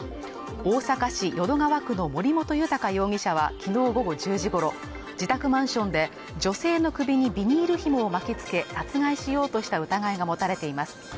大阪市淀川区の森本裕容疑者はきのう午後１０時ごろ自宅マンションで女性の首にビニールひもを巻きつけ殺害しようとした疑いが持たれています